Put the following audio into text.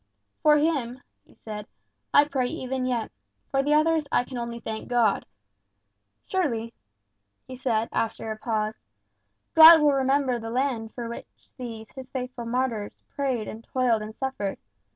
"For him," he said, "I pray even yet; for the others I can only thank God, Surely," he added, after a pause, "God will remember the land for which these, his faithful martyrs, prayed and toiled and suffered!